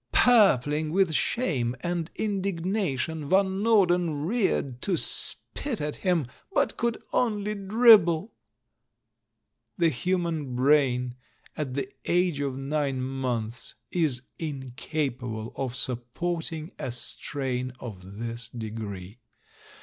Purpling with shame and indignation, Van Norden reared to spit at him, but could only dribble. The human brain at the age of nine months is incapable of supporting a strain of this degree.